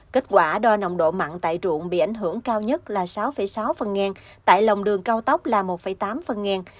kết quả đo nồng độ mặn tại ruộng bị ảnh hưởng cao nhất là sáu sáu phần ngàn tại lòng đường cao tốc là một tám phần ngàn